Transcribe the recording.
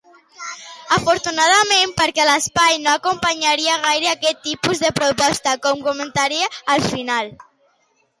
Afortunadament, perquè l'espai no acompanyaria gaire aquest tipus de proposta, com comentaré al final.